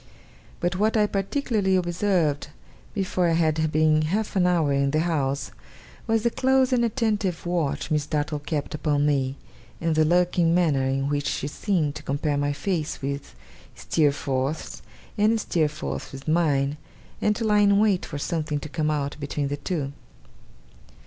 But what I particularly observed, before I had been half an hour in the house, was the close and attentive watch Miss Dartle kept upon me; and the lurking manner in which she seemed to compare my face with Steerforth's, and Steerforth's with mine, and to lie in wait for something to come out between the two.